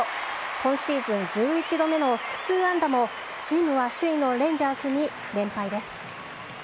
今シーズン１１度目の複数安打もチームは首位のレンジャーズに連敗です。